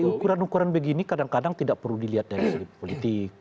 ukuran ukuran begini kadang kadang tidak perlu dilihat dari segi politik